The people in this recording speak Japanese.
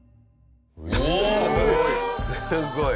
すごい！